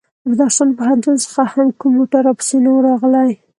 له بدخشان پوهنتون څخه هم کوم موټر راپسې نه و راغلی.